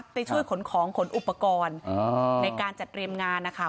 ไปช่วยขนของขนอุปกรณ์ในการจัดเตรียมงานนะคะ